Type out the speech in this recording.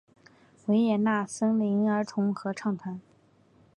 维也纳森林儿童合唱团。